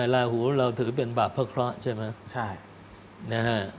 ลาหูเราถือเป็นบาปพระเคราะห์ใช่ไหม